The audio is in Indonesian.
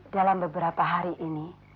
dalam beberapa hari ini